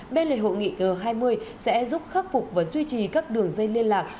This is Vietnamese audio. bên lề hội nghị g hai mươi sẽ giúp khắc phục và duy trì các đường dây liên lạc